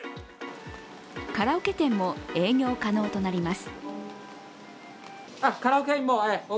カラオケ店も営業可能となります。